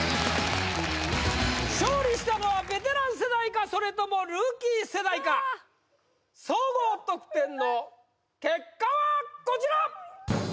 勝利したのはベテラン世代かそれともルーキー世代か総合得点の結果はこちら！